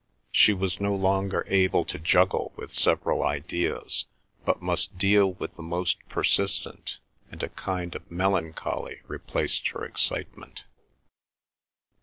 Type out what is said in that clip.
She was no longer able to juggle with several ideas, but must deal with the most persistent, and a kind of melancholy replaced her excitement.